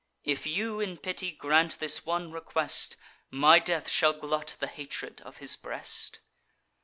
If you in pity grant this one request, My death shall glut the hatred of his breast."